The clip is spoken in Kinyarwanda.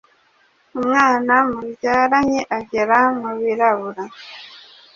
umwana mubyaranye agera mu birabura